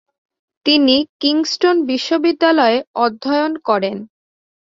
তিনি কিংস্টন বিশ্ববিদ্যালয়ে অধ্যয়ন করেন।